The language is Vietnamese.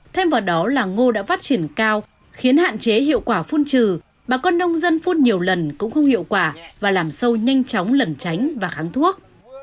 thêm vào đó là ngô đã phát triển cao khiến hạn chế hiệu quả phun trừ bà con nông dân phun nhiều lần cũng không hiệu quả và làm sâu nhanh chóng lẩn tránh và kháng thuốc